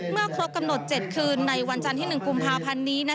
ครบกำหนด๗คืนในวันจันทร์ที่๑กุมภาพันธ์นี้